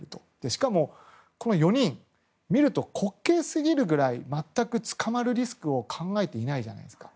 しかも、この４人を見ると滑稽すぎるぐらい全く捕まるリスクを考えていないじゃないですか。